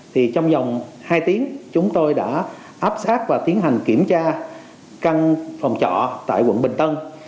thì trong dòng hai tiếng chúng tôi đã áp sát và tiến hành kiểm tra căn phòng trọ tại quận bình tân